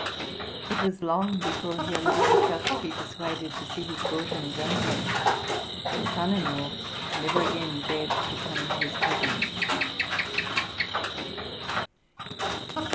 '' It was long before he allowed himself to be persuaded to see his daughter and grandson. The son in law neyer again dared to come into his presence.